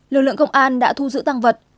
lực lượng công an đã thu giữ tăng vật